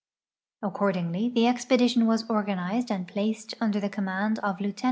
Accordingly the expedition was organized and placed under the command of Lieut.